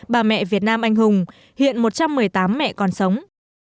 bà mẹ việt nam anh hùng hiện một trăm một mươi tám mẹ còn sống